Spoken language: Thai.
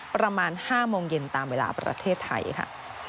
ประมาณ๕โมงเย็นตามเวลาประเทศไทยค่ะ